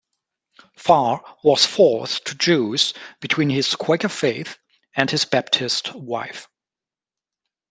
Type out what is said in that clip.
Farr was forced to choose between his Quaker faith and his Baptist wife.